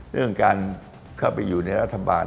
เรื่องการเข้าไปอยู่ในรัฐบาล